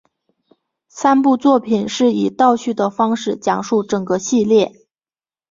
三部作品是以倒叙的方式讲述整个系列。